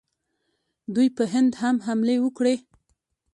دوی په هند هم حملې وکړې